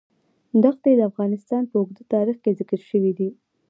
ښتې د افغانستان په اوږده تاریخ کې ذکر شوی دی.